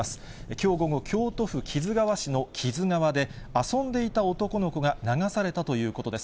きょう午後、京都府木津川市の木津川で、遊んでいた男の子が流されたということです。